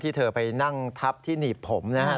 เธอไปนั่งทับที่หนีบผมนะครับ